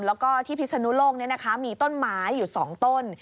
แล้วก็ที่พิศนุโลกมีต้นไม้อยู่๒ต้น